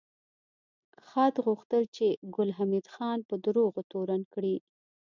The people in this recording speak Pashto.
خاد غوښتل چې ګل حمید خان په دروغو تورن کړي